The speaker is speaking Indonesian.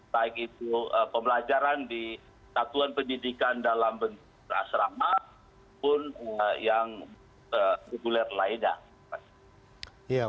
baik itu pembelajaran di satuan pendidikan dalam bentuk asrama pun yang reguler lainnya